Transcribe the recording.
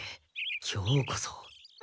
今日こそ。